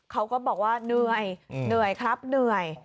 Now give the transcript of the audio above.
เขาก็บอกว่าเดื่อยครับเดื่อย